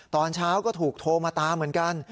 ตอนเช้าก็ถูกโทรมาตามเหมือนกัน